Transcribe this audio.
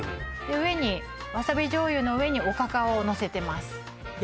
上にわさび醤油の上におかかをのせてます